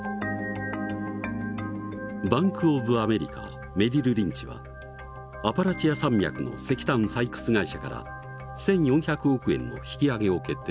バンク・オブ・アメリカメリルリンチはアパラチア山脈の石炭採掘会社から１，４００億円の引き揚げを決定。